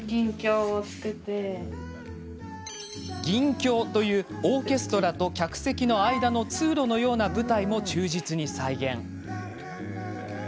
銀橋というオーケストラと客席の間の通路のような舞台も忠実に再現。